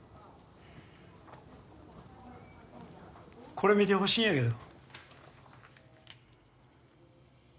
これ見てほしいんやけど。